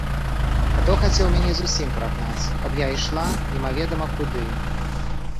А то хацеў мяне зусім прагнаць, каб я ішла немаведама куды.